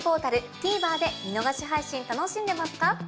ＴＶｅｒで見逃し配信楽しんでますか？